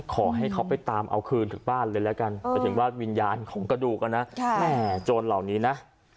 ขอให้เขาไปตามเอาคืนถึงบ้านเลยแล้วกันไปถึงว่าวิญญาณของกระดูกนะแม่โจรเหล่านี้นะ